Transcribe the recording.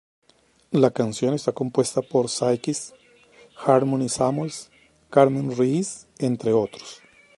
La canción está compuesta por Sykes, Harmony Samuels, Carmen Reece entre otros.